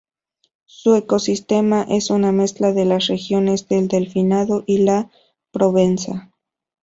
Su ecosistema es una mezcla de las regiones del Delfinado y de la Provenza.